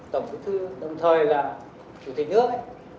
tổng bí thư đồng thời là chủ tịch nước